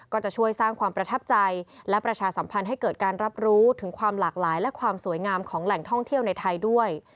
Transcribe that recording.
ก็จะช่วยสร้างความประทับใจและประชาสัมพันธ์ให้เกิดการรับรู้ถึงความหลากหลายและความสวยงามของแหล่งท่องเที่ยวในไทยด้วย